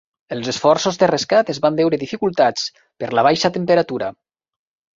Els esforços de rescat es van veure dificultats per la baixa temperatura.